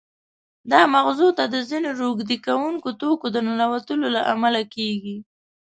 دا مغزو ته د ځینې روږدې کوونکو توکو د ننوتلو له امله کېږي.